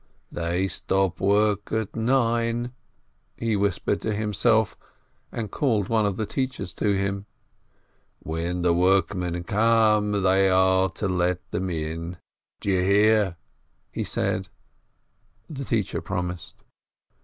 "They stop work at nine," he whispered to himself, and called one of the teachers to him. "When the workmen come, they are to let them in, do you hear!" he said. The teacher promised.